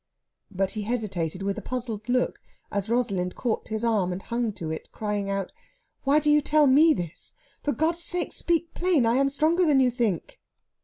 But he hesitated, with a puzzled look, as Rosalind caught his arm and hung to it, crying out: "Why do you tell me this? For God's sake, speak plain! I am stronger than you think."